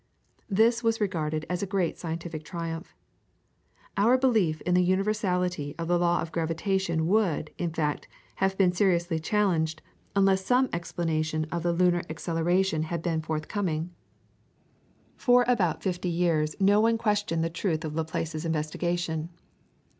This was regarded as a great scientific triumph. Our belief in the universality of the law of gravitation would, in fact, have been seriously challenged unless some explanation of the lunar acceleration had been forthcoming. For about fifty years no one questioned the truth of Laplace's investigation.